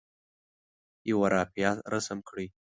یوه رافعه رسم کړئ.